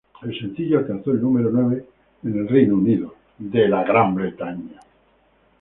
El sencillo alcanzó el número nueve en el Reino Unido.